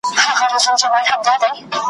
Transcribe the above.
نه به لاس د چا گرېوان ته ور رسېږي ,